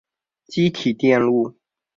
积体电路